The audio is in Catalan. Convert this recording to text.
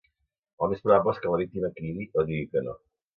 El més probable és que la víctima cridi o digui que no.